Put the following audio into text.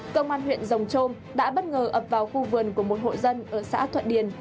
công an huyện rồng trôm đã bất ngờ ập vào khu vườn của một hộ dân ở xã thuận điền